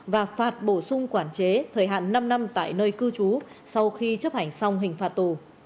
và phạt bổ sung quản chế thời hạn năm năm tại nơi cư trú sau khi chấp hành xong hình phạt tù